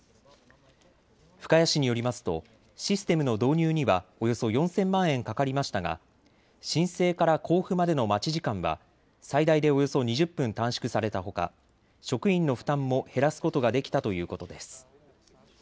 深谷市によりますとシステムの導入にはおよそ４０００万円かかりましたが申請から交付までの待ち時間は最大でおよそ２０分短縮されたほか職員の負担も減らすことができたということです。